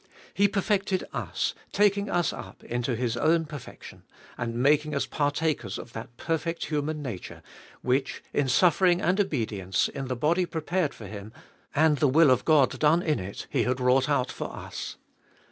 He perfected us, taking us up into His own perfection, and making us partakers of that perfect human nature, which in suffer ing and obedience, in the body prepared for Him, and the 346 £be Iboliest of 2111 will of God done in it, He had wrought out for us.